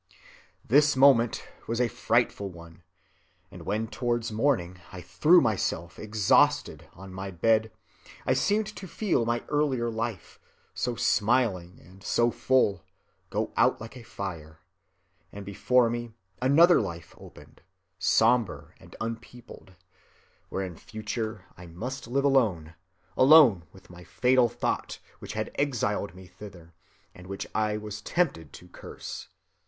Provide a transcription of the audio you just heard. "This moment was a frightful one; and when towards morning I threw myself exhausted on my bed, I seemed to feel my earlier life, so smiling and so full, go out like a fire, and before me another life opened, sombre and unpeopled, where in future I must live alone, alone with my fatal thought which had exiled me thither, and which I was tempted to curse.